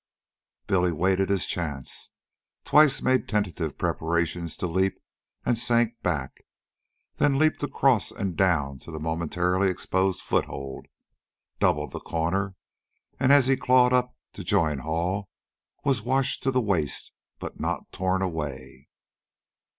Billy waited his chance, twice made tentative preparations to leap and sank back, then leaped across and down to the momentarily exposed foothold, doubled the corner, and as he clawed up to join Hall was washed to the waist but not torn away.